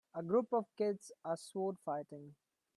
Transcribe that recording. A group of kids are sword fighting.